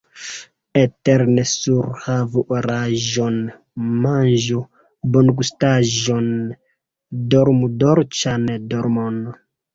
Eterne surhavu oraĵon, manĝu bongustaĵon, dormu dolĉan dormon!